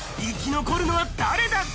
生き残るのは誰だ？